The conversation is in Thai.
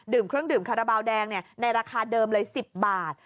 เครื่องดื่มคาราบาลแดงในราคาเดิมเลย๑๐บาท